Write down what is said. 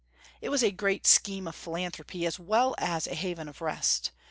It was a great scheme of philanthropy, as well as a haven of rest.